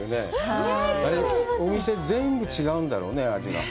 あれお店、全部違うんだろうね、味が。